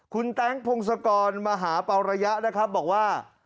คุณแต๊งพงศกรมหาประยะนะครับบอกว่า